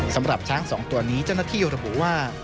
สำหรับช้างสองตัวนี้เจ้าหน้าที่ยุทธบูรณ์ว่า